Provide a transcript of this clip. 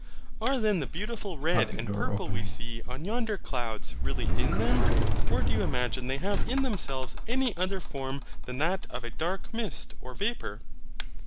are then the beautiful red and purple we see on yonder clouds really in them? Or do you imagine they have in themselves any other form than that of a dark mist or vapour?